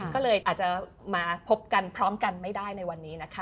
ก็เลยอาจจะมาพบกันพร้อมกันไม่ได้ในวันนี้นะคะ